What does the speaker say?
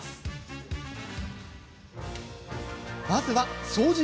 まずは掃除